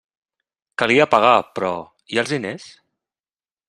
Calia pagar; però... i els diners?